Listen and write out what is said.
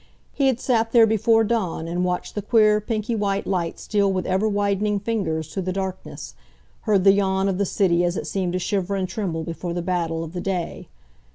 He had sat there before dawn and watched the queer, pinky white light steal with ever widening fingers through the darkness, heard the yawn of the city as it seemed to shiver and tremble before the battle of the day.